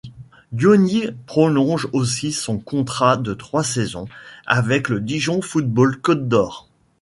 Diony prolonge aussi son contrat de trois saisons avec le Dijon Football Côte-d'Or.